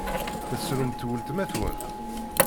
Tessrumt weltma-twent!